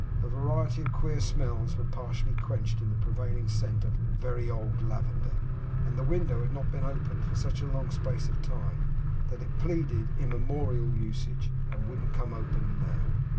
A variety of queer smells were partially quenched in the prevailing scent of very old lavender; and the window had not been opened for such a long space of time that it pleaded immemorial usage, and wouldn't come open now.